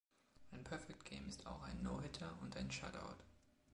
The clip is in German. Ein Perfect Game ist auch ein No-Hitter und ein Shutout.